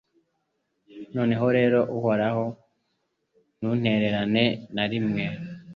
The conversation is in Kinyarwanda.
None rero Uhoraho ntuntererane na rimwe